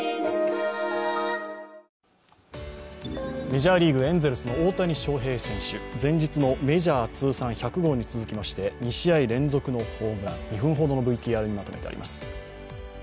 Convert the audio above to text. メジャーリーグ、エンゼルスの大谷翔平選手、前日のメジャー通算１００号に続きまして２試合連続のホームラン、２本ほどのＶＴＲにまとめてあります。